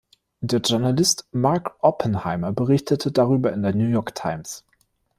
Der Journalist Mark Oppenheimer berichtete darüber in der New York Times.